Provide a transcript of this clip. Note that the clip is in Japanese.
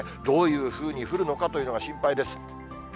どういうふうに降るのかというのが心配です。